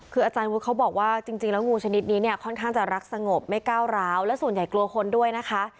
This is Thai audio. คืออาจารย์วุฒิเขาบอกว่าจริงแล้วงูชนิดนี้เนี่ยค่อนข้างจะรักสงบไม่ก้าวร้าวและส่วนใหญ่กลัวคนด้วยนะคะ